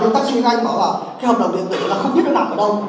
cái hợp đồng điện tử là không biết nó nằm ở đâu